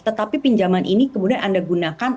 tetapi pinjaman ini kemudian anda gunakan